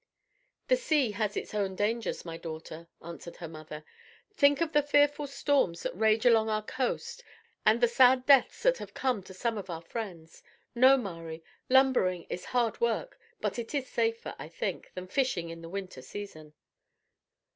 "The sea has its own dangers, my daughter," answered her mother. "Think of the fearful storms that rage along our coast and the sad deaths that have come to some of our friends. No, Mari, lumbering is hard work, but it is safer, I think, than fishing in the winter season."